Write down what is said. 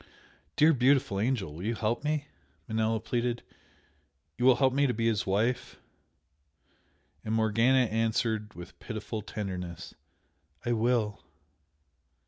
"Dear, beautiful angel, you will help me?" Manella pleaded "You will help me to be his wife?" And Morgana answered with pitiful tenderness. "I will!"